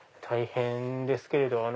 大変ですけれど。